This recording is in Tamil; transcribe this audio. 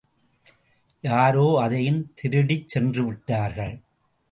யாரோ அதையும் திருடிச்சென்று விட்டார்கள்.